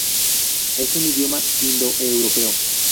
Es un idioma indoeuropeo.